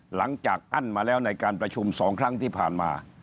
อั้นมาแล้วในการประชุม๒ครั้งที่ผ่านมา